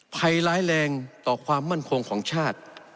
ภัยร้ายแรงต่อความมั่นคงของชาติ